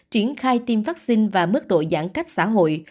triển khai tiêm vaccine và mức độ giãn cách xã hội